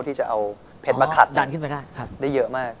ที่จะเอาเผ็ดมาขัดดันขึ้นไปได้ได้เยอะมาก